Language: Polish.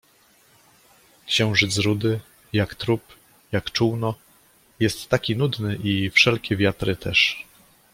Księżyc «rudy», «jak trup», «jak czółno» jest taki nudny i «wszelkie wiatry» też.